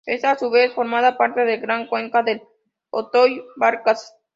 Éste, a su vez, forma parte de la gran cuenca del Atoyac-Balsas.